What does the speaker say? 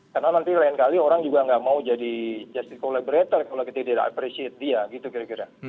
karena nanti lain kali orang juga tidak mau jadi justice collaborator kalau kita tidak menghargai dia gitu kira kira